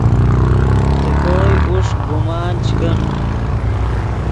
سے کوئے اوݰک گمان چے کن